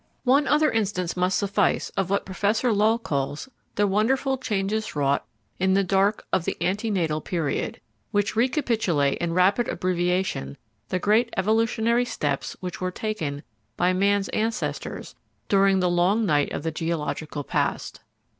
One other instance must suffice of what Professor Lull calls the wonderful changes wrought in the dark of the ante natal period, which recapitulate in rapid abbreviation the great evolutionary steps which were taken by man's ancestors "during the long night of the geological past."